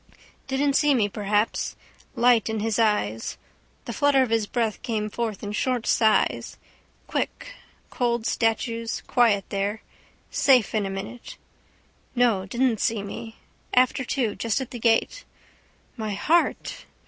Didn't see me perhaps. Light in his eyes. The flutter of his breath came forth in short sighs. Quick. Cold statues: quiet there. Safe in a minute. No. Didn't see me. After two. Just at the gate. My heart!